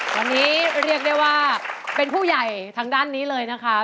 วันนี้เรียกได้ว่าเป็นผู้ใหญ่ทางด้านนี้เลยนะคะ